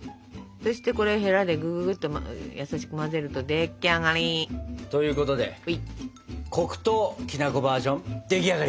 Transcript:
そしてこれヘラでぐぐぐっと優しく混ぜると出来上がり！ということで黒糖きなこバージョン出来上がり！